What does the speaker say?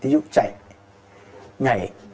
thí dụ chạy nhảy